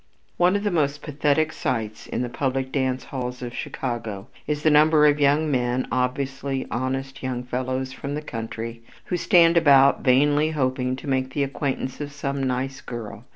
One of the most pathetic sights in the public dance halls of Chicago is the number of young men, obviously honest young fellows from the country, who stand about vainly hoping to make the acquaintance of some "nice girl."